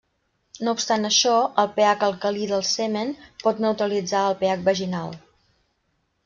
No obstant això, el pH alcalí del semen pot neutralitzar el pH vaginal.